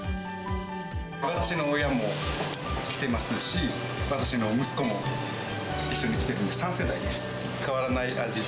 私の親も来てますし、私の息子も一緒に来てるんで、３世代です。